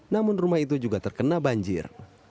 namun rumah itu juga terkena banjir